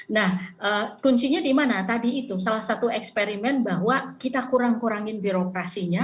nah kuncinya di mana tadi itu salah satu eksperimen bahwa kita kurang kurangin birokrasinya